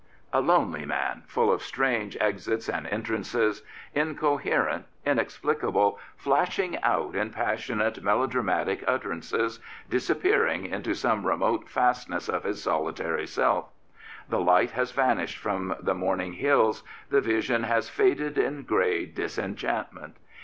A lonely man, full of strange exits and entrances, incoherent, inexplicable, flashing out in passionate, 184 Lord Rosebery melodramatic utterances, disappearing into some remote fastness of his solitary self. The light has vanished from the morning hills, the vision has faded in grey disenchantment.